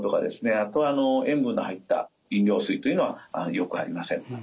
あとは塩分の入った飲料水というのはよくありません。